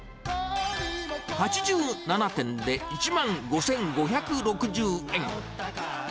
８７点で１万５５６０円。